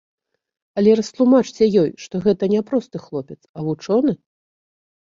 Але растлумачце ёй, што гэта не просты хлопец, а вучоны.